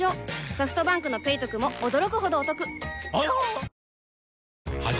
ソフトバンクの「ペイトク」も驚くほどおトクわぁ！